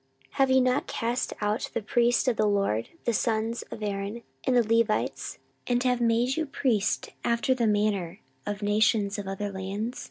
14:013:009 Have ye not cast out the priests of the LORD, the sons of Aaron, and the Levites, and have made you priests after the manner of the nations of other lands?